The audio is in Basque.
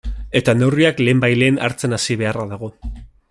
Eta neurriak lehenbailehen hartzen hasi beharra dago.